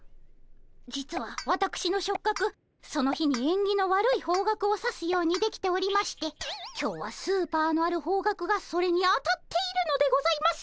実はわたくしの触角その日にえんぎの悪い方角を指すようにできておりまして今日はスーパーのある方角がそれにあたっているのでございます。